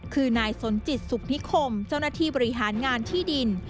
คือนายสนจิตสุขนิคมเจ้าหน้าที่บริหารงานที่ดิน